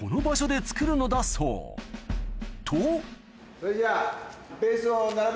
それじゃ。